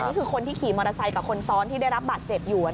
นี่คือคนที่ขี่มอเตอร์ไซค์กับคนซ้อนที่ได้รับบาดเจ็บอยู่